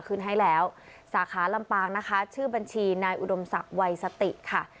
คืนให้แล้วสาขาลำปางนะคะชื่อบัญชีนายอุดมศักดิ์วัยสติค่ะ